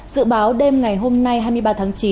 dự báo đêm ngày hôm nay hai mươi ba tháng chín